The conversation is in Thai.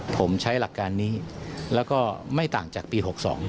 ผมใช้หลักการนี้แล้วก็ไม่ต่างจากปี๖๒